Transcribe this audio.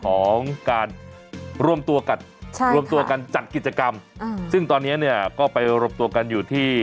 ของการร่วมตัวกันช่างตัวกันจากกิจกรรมตอนนี้ก็ไปรวมตัวกันอยู่ที่